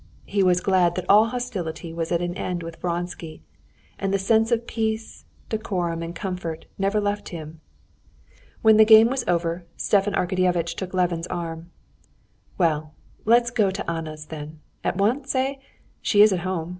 He was glad that all hostility was at an end with Vronsky, and the sense of peace, decorum, and comfort never left him. When the game was over, Stepan Arkadyevitch took Levin's arm. "Well, let us go to Anna's, then. At once? Eh? She is at home.